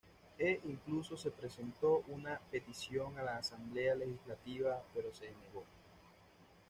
He incluso se presentó una petición a la Asamblea Legislativa pero se denegó.